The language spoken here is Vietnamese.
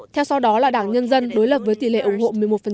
theo sau đó là đảng nhân dân đối lập với tỷ lệ ủng hộ một mươi một